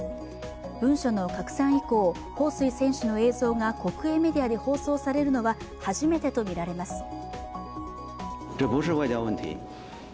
文書の拡散以降、彭帥選手の映像が国営メディアで放送されるのは初めてとみられます。